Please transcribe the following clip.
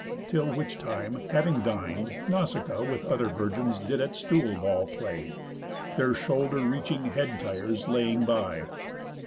Till which time, having din'd, Nausicaa With other virgins did at stool ball play, Their shoulder reaching head tires laying by.